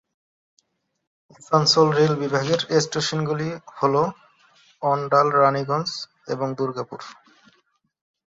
Asansol rail বিভাগের স্টেশনগুলি হল অণ্ডাল, রাণীগঞ্জ এবং দুর্গাপুর।